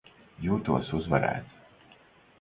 Jūtos uzvarēts.